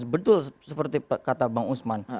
betul seperti kata bang usman